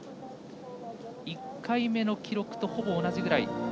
１回目の記録とほぼ同じくらい。